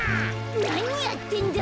なにやってんだ！？